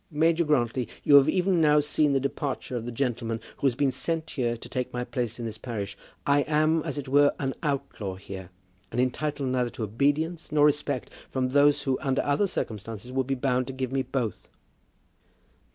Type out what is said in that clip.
Major Grantly, you have even now seen the departure of the gentleman who has been sent here to take my place in this parish. I am, as it were, an outlaw here, and entitled neither to obedience nor respect from those who under other circumstances would be bound to give me both."